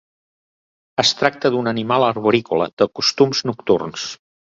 Es tracta d'un animal arborícola de costums nocturns.